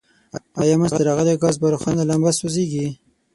آیا منځ ته راغلی ګاز په روښانه لمبه سوځیږي؟